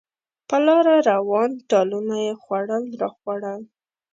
په لاره روان، ټالونه یې خوړل راخوړل.